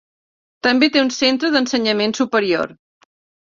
També té un centre d'ensenyament superior.